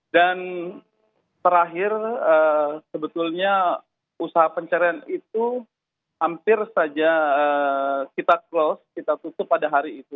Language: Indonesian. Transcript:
dan terakhir sebetulnya usaha pencarian itu hampir saja kita close kita tutup pada hari itu